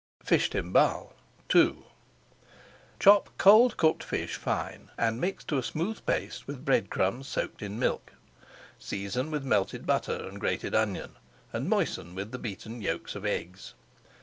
FISH TIMBALE II Chop cold cooked fish fine and mix to a smooth paste with bread crumbs soaked in milk. Season with melted butter and grated onion and moisten with the beaten yolks of eggs.